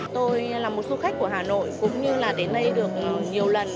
tôi là một du khách của hà nội cũng như là đến đây được nhiều lần